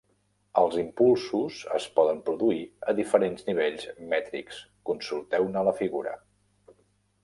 Els impulsos es poden produir a diferents nivells mètrics - consulteu-ne la figura.